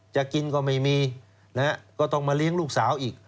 จะกินก็ไม่มีนะฮะก็ต้องมาเลี้ยงลูกสาวอีก